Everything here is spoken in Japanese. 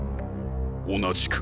同じく。